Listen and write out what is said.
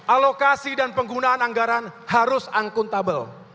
alokasi dan penggunaan anggaran harus akuntabel